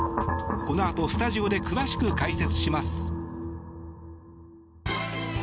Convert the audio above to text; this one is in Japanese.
このあとスタジオで詳しく解説します。